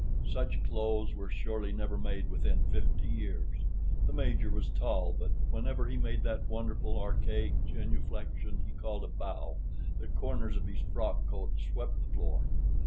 Such clothes were surely never made within fifty years. The Major was tall, but whenever he made that wonderful, archaic genuflexion he called a bow, the corners of his frock coat swept the floor.